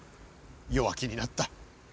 弱気になった。